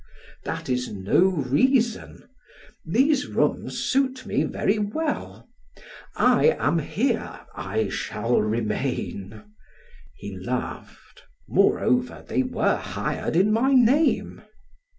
"That is no reason. These rooms suit me very well. I am here; I shall remain." He laughed. "Moreover, they were hired in my name!"